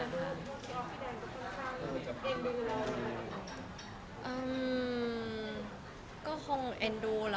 แล้วก็ฝึกภาษาทำยังไงให้มันเป็นอิสาลแท้ลึก